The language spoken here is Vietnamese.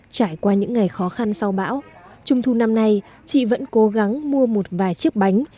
trải qua những ngày khó khăn sau bão trung thu năm nay chị vẫn cố gắng mua một vài chiếc bánh